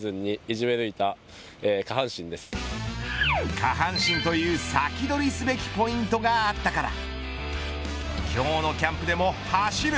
下半身という、先取りすべきポイントがあったから今日のキャンプでも走る。